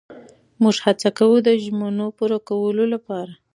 موږ هڅه کوو د ژمنو پوره کولو لپاره.